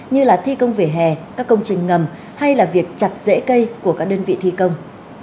như thi công vỉa hè các công trình ngầm hay là việc chặt rễ cây của các đơn vị thi công